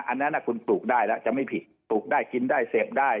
อันนั้นคุณปลูกได้แล้วจะไม่ผิดปลูกได้กินได้เสพได้